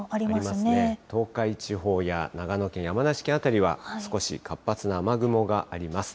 東海地方や長野県、山梨県辺りは少し活発な雨雲があります。